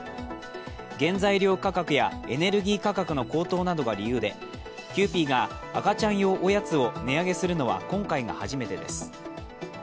原材料価格やエネルギー価格の高騰などが理由でキユーピーが赤ちゃん用おやつを値上げするのは今回が初めてです。